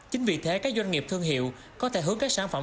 chính vì thế các doanh nghiệp thương hiệu có thể hướng các sản phẩm